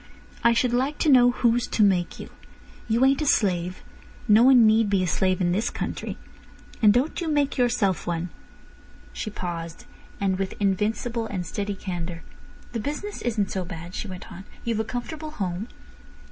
"I should like to know who's to make you. You ain't a slave. No one need be a slave in this country—and don't you make yourself one." She paused, and with invincible and steady candour. "The business isn't so bad," she went on. "You've a comfortable home."